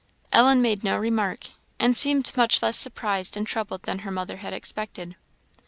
Ellen made no remark, and seemed much less surprised and troubled than her mother had expected.